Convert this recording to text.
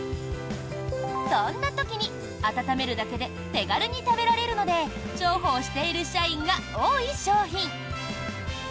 そんな時に、温めるだけで手軽に食べられるので重宝している社員が多い商品。